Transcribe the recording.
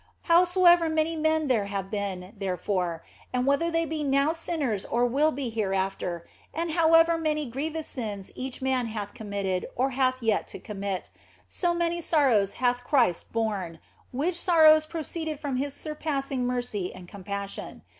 Howsoever many men there have been, therefore, and whether they be now sinners or will be hereafter, and however many grievous sins each man hath committed or hath yet to commit, so many sorrows hath Christ borne, which sorrows proceeded from His surpassing mercy and compassion.